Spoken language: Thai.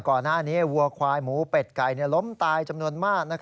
ก่อนหน้านี้วัวควายหมูเป็ดไก่ล้มตายจำนวนมาก